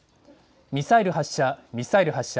ミサイル発射、ミサイル発射。